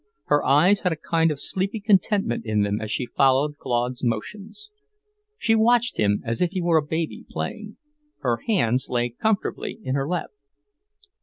Her eyes had a kind of sleepy contentment in them as she followed Claude's motions. She watched him as if he were a baby playing. Her hands lay comfortably in her lap.